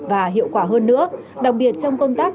và hiệu quả hơn nữa đặc biệt trong công tác